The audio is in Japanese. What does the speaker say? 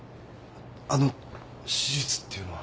あの手術っていうのは。